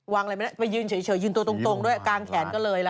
วางอะไรไหมไปยืนเฉยยืนตัวตรงด้วยกางแขนก็เลยละ